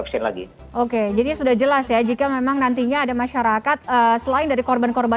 vaksin lagi oke jadi sudah jelas ya jika memang nantinya ada masyarakat selain dari korban korban